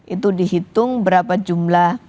itu dihitung berapa jumlah